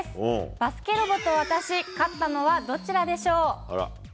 バスケロボと私、勝ったのはどちらでしょう。